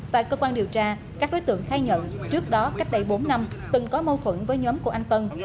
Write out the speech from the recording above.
tại cơ quan điều tra các đối tượng khai nhận trước đó cách đây bốn năm từng có mâu thuẫn với nhóm của anh tân